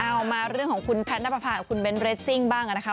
เอามาเรื่องของคุณแพทย์นับประพากับคุณเบ้นเรสซิ่งบ้างนะคะ